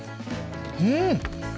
うん！